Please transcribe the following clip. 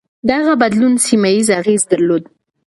دغه بدلون سيمه ييز اغېز درلود.